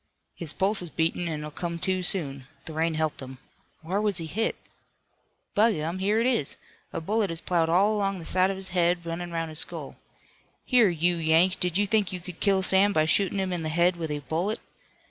"His pulse is beatin' an' he'll come to soon. The rain helped him. Whar was he hit? By gum, here it is! A bullet has ploughed all along the side of his head, runnin' 'roun' his skull. Here, you Yank, did you think you could kill Sam by shootin' him in the head with a bullet?